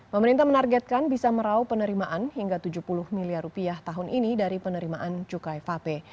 pemerintah menargetkan bisa merauh penerimaan hingga tujuh puluh miliar rupiah tahun ini dari penerimaan cukai vape